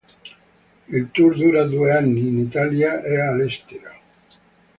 Il tour dura due anni, in Italia e all'estero.